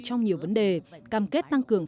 trong nhiều vấn đề cam kết tăng cường